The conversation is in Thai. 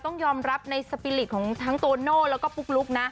ต้องยอมรับในสปีริตของทั้งโตโน่แล้วก็ปุ๊กลุ๊กนะ